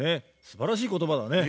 すばらしい言葉だね。